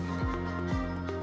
jangan lupa untuk berlangganan